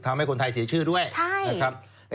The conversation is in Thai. ทำให้คนไทยเสียชื่อด้วยนะครับ